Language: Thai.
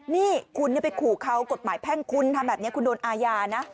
นี่คุณไปขู่เขากฎหมายแพ่งคุณทำแบบนี้คุณโดนอาญานะ